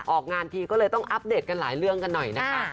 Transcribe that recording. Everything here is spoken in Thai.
ออกงานทีก็เลยต้องอัปเดตกันหลายเรื่องกันหน่อยนะคะ